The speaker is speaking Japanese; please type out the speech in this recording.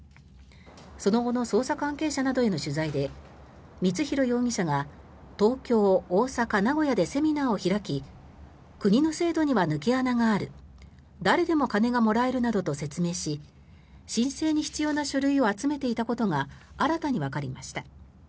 その後の捜査関係者などへの取材で光弘容疑者が東京、大阪名古屋でセミナーを開き国の制度には抜け穴がある誰でも金がもらえるなどと説明し申請に必要な書類を集めていたことが新たにわかりました。